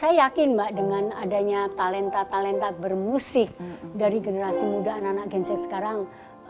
saya yakin mbak dengan adanya talenta talenta bermusik dari generasi muda anak anak gense sekarang